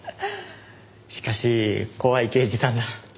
しかし怖い刑事さんだ。